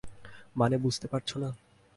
মানে বুঝতে পারছো না?